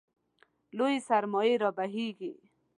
لویې سرمایې رابهېږي.